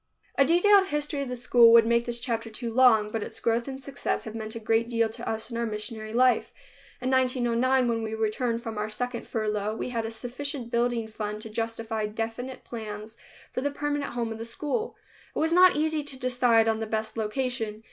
A detailed history of the school would make this chapter too long, but its growth and success have meant a great deal to us in our missionary life. In 1909, when we returned from our second furlough, we had a sufficient building fund to justify definite plans for the permanent home of the school. It was not easy to decide on the best location.